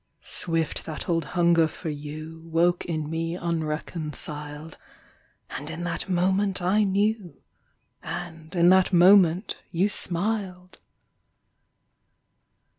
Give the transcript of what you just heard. .. Swift that old hunger for you ^^'oke in me unreconciled ; And in that moment I knew. And in that moment you smiled